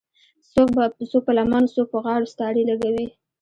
څوک په لمنو څوک په غاړو ستارې لګوي